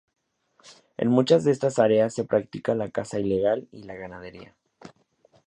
En muchas de estas áreas se practica la caza ilegal y la ganadería.